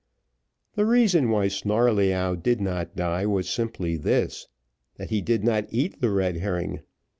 The reason why Snarleyyow did not die was simply this, that he did not eat the red herring.